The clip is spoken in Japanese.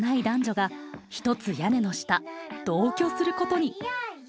男女がひとつ屋根の下同居することに。